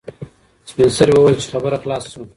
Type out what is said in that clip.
سپین سرې وویل چې خبره خلاصه شوه.